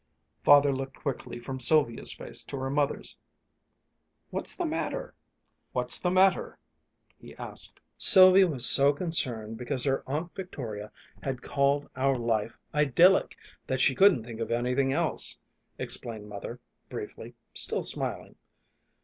Father looked quickly from Sylvia's face to her mother's. "What's the matter?" he asked. "Sylvia was so concerned because her Aunt Victoria had called our life idyllic that she couldn't think of anything else," explained Mother briefly, still smiling.